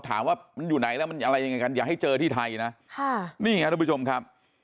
ถามว่ามันอยู่ไหนแล้วมันอะไรยังไงกันอย่าให้เจอที่ไทยนะค่ะนี่ไงทุกผู้ชมครับ